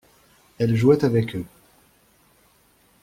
Elle jouait avec eux.